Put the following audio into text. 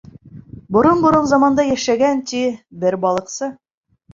Борон-борон заманда йәшәгән, ти, бер балыҡсы.